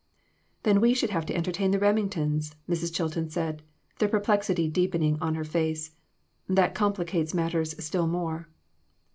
" Then we should have to entertain the Rem ingtons," Mrs. Chilton said, the perplexity deep ening on her face ;" that complicates matters still more."